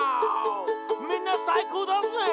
「みんなさいこうだぜ！」